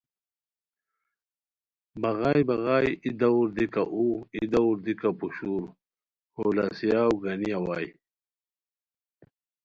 بغائے بغائے ای داؤر دیکا اوغ ای داؤر دیکا پوشور ہو لاسئیاؤ گانی اوائے